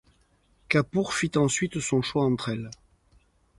Kapoor fit ensuite son choix entre elles.